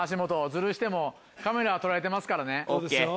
ズルしてもカメラは捉えてますからね。ＯＫ。